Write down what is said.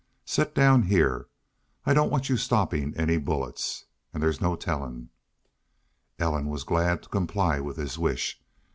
"Set down heah. I don't want y'u stoppin' any bullets. An' there's no tellin'." Ellen was glad to comply with his wish.